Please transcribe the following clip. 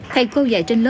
thầy cô dạy trên lớp